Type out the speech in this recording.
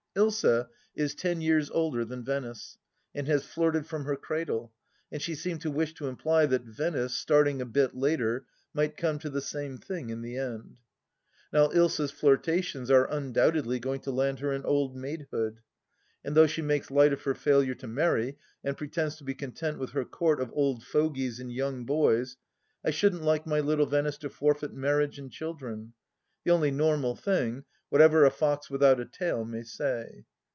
Ilsa is ten years older than Venice, and has flirted from her cradle, and she seemed to wish to imply that Venice, starting a bit later, might come to the same thing in the end. Now Ilsa's flirtations are un doubtedly going to land her in old maidhood, and though she makes light of her failure to marry, and pretends to be content with her court of old fogies and young boys, I shouldn't like my little Venice to forfeit marriage and children — ^the only normal thing, whatever a fox without a taU may say.